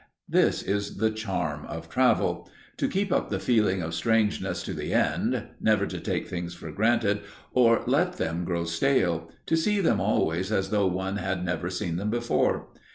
This is the charm of travel to keep up the feeling of strangeness to the end, never to take things for granted or let them grow stale, to see them always as though one had never seen them before.